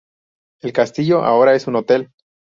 El castillo ahora es un hotel.